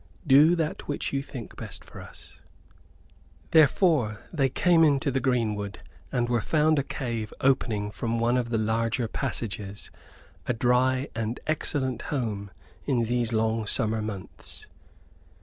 Do that which you think best for us." Therefore, they came into the greenwood, and were found a cave opening from one of the larger passages a dry and excellent home in these long summer months.